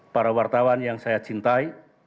para wartawan yang saya cintai